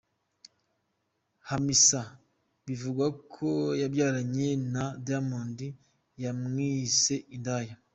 Hamisa bivugwa ko yabyaranye na Diamond, yamwise indaya.